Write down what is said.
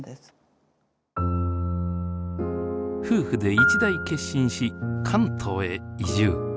夫婦で一大決心し関東へ移住。